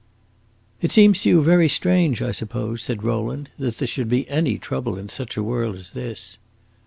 "It seems to you very strange, I suppose," said Rowland, "that there should be any trouble in such a world as this."